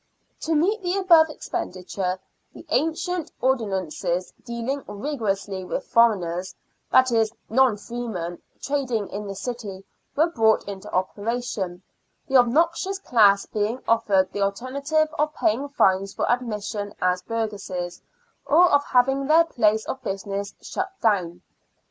To meet the above expenditure, the ancient ordinances dealing rigorously with " foreigners "— that is non freemen — trading in the city were brought into operation, the obnoxious class being offered the alternative of paying fines for admission as burgesses, or of having their places of business " shut down."